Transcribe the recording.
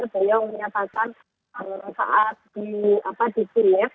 dia menyatakan saat di apa di kiev